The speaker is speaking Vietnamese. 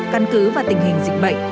căn cứ và tình hình dịch bệnh